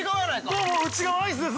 ◆どうも、内側アイスです！